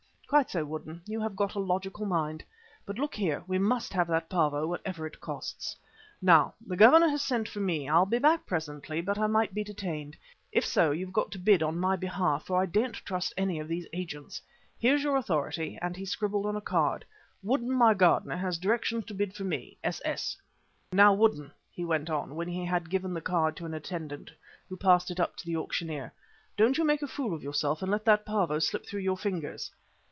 "Quite so, Woodden, you have got a logical mind. But, look here, we must have that 'Pavo' whatever it costs. Now the Governor has sent for me. I'll be back presently, but I might be detained. If so, you've got to bid on my behalf, for I daren't trust any of these agents. Here's your authority," and he scribbled on a card, "Woodden, my gardener, has directions to bid for me. S.S." "Now, Woodden," he went on, when he had given the card to an attendant who passed it up to the auctioneer, "don't you make a fool of yourself and let that 'Pavo' slip through your fingers."